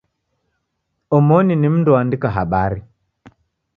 Omoni ni mndu oandika habari.